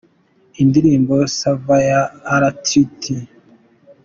Indirimbo Savana ya R Tuty :.